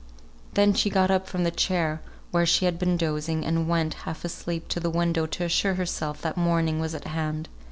Then she got up from the chair where she had been dozing, and went, half asleep, to the window to assure herself that morning was at hand.